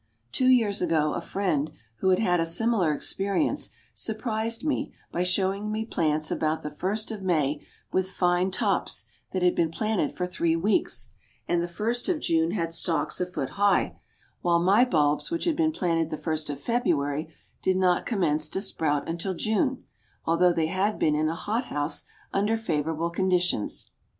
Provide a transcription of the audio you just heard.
Two years ago, a friend who had had a similar experience surprised me by showing me plants about the first of May with fine tops that had been planted but three weeks, and the first of June had stalks a foot high, while my bulbs which had been planted the first of February, did not commence to sprout until June, although they had been in a hot house under favorable conditions.